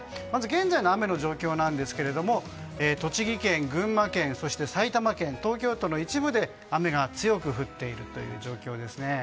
現在の雨の状況ですが栃木県、群馬県埼玉県、東京都の一部で雨が強く降っている状況ですね。